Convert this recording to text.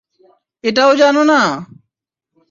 এটাও জানো না?